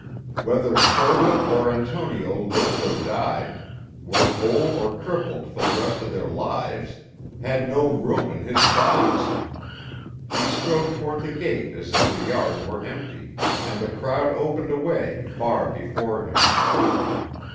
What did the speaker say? Whether Torta or Antonio lived or died, were whole or crippled for the rest of their lives, had no room in his thoughts. He strode toward the gate as if the yard were empty, and the crowd opened a way far before him.